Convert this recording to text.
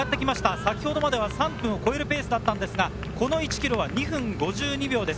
先ほどまでが３分を超えるペースだったんですが、この１ｋｍは２分５２秒です。